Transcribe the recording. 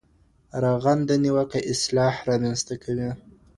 رغنده نيوکه اصلاح رامنځته کوي.